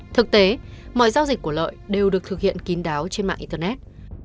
thực tế mọi giao dịch của lợi đều được thực hiện kín đáo trên mạng internet